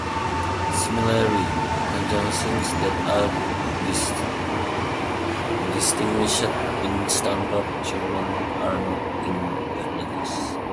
Similarly, conjunctions that are distinguished in standard German are not in Berlinisch.